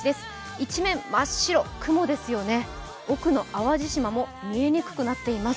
一面真っ白、雲ですよね、奥の淡路島も見えにくくなっています。